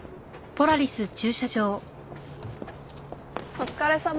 お疲れさま。